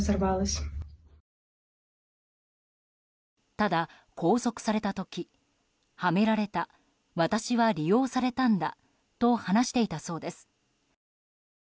ただ、拘束された時はめられた私は利用されたんだと話していたそうです。